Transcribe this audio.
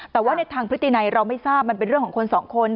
แต่ว่าในทางพฤตินัยเราไม่ทราบมันเป็นเรื่องของคนสองคน